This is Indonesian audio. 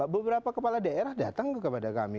beberapa kepala daerah datang kepada kami